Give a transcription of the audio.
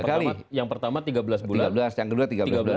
ya kan yang pertama tiga belas chsel yang ing lleva juga yang tidak tiga prefat